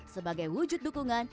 sebagai wujud dukungan